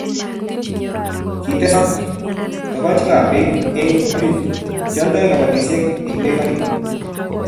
Kitesak togochikab Bek eng orit keoldoi kabatisiet eng beek orit